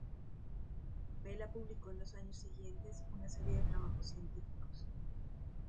Mela publicó en los años siguientes una serie de trabajos científicos.